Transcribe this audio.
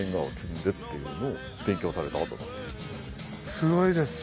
すごいです。